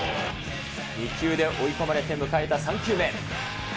２球で追い込まれて迎えた３球目。